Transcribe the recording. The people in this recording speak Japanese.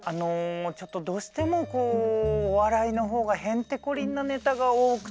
ちょっとどうしてもお笑いの方がへんてこりんなネタが多くて。